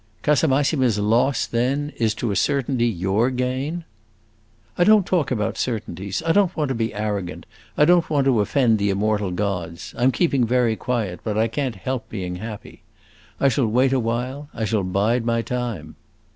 "Casamassima's loss, then, is to a certainty your gain?" "I don't talk about certainties. I don't want to be arrogant, I don't want to offend the immortal gods. I 'm keeping very quiet, but I can't help being happy. I shall wait a while; I shall bide my time."